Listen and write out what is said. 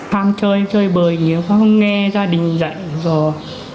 tham chơi chơi bời nhớ nghe gia đình dạy rồi